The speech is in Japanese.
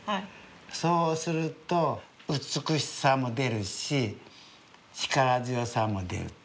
そうすると美しさも出るし力強さも出ると。